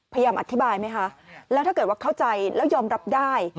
พยายามอธิบายไหมคะแล้วถ้าเกิดว่าเข้าใจแล้วยอมรับได้